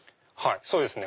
そうですね。